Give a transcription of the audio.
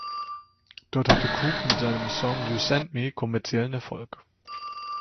Dort hatte Cooke mit seinem Song "You Send Me" kommerziellen Erfolg.